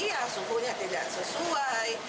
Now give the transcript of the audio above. iya suhunya tidak sesuai